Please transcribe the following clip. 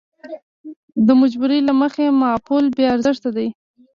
د مجبورۍ له مخې معافول بې ارزښته دي.